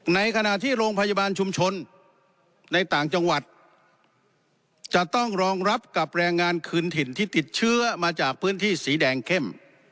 ในขณะที่โรงพยาบาลชุมชนในต่างจังหวัดจะต้องรองรับกับแรงงานคืนถิ่นที่ติดเชื้อมาจากพื้นที่สีแดงเข้ม